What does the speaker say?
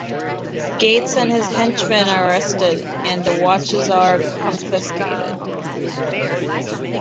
Gates and his henchmen are arrested, and the watches are confiscated.